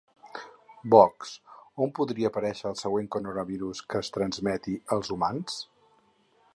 Vox: On podria aparèixer el següent coronavirus que es transmeti als humans?